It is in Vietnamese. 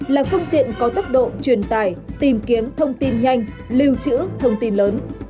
là phương tiện có tốc độ truyền tải tìm kiếm thông tin nhanh lưu trữ thông tin lớn